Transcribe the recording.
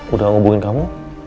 udah ngubungin kamu